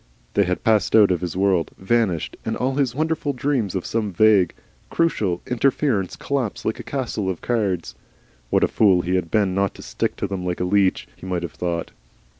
They had passed out of his world vanished, and all his wonderful dreams of some vague, crucial interference collapsed like a castle of cards. What a fool he had been not to stick to them like a leech! He might have thought!